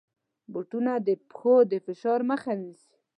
بوټونه د پښو د فشار مخه نیسي.